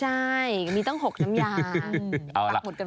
ใช่มีตั้ง๖น้ำยาง